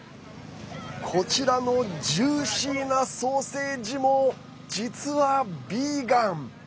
こちらのジューシーなソーセージも、実はビーガン。